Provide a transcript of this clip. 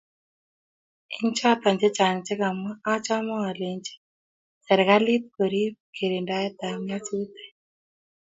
Eng choto chang che kamwa achame alech serikalit korib kirindaetab nyasutik